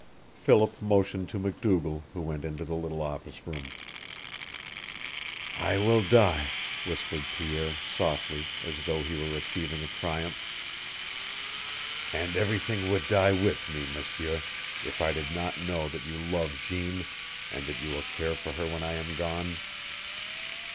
Philip motioned to MacDougall, who went into the little office room. "I will die," whispered Pierre, softly, as though he were achieving a triumph. "And everything would die with me, M'sieur, if I did not know that you love Jeanne, and that you will care for her when I am gone.